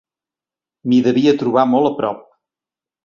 M'hi devia trobar molt a prop